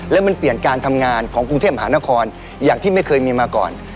แล้วมันเปลี่ยนการทำงานของกรุงเทพมหานครอย่างที่ไม่เคยมีมาก่อน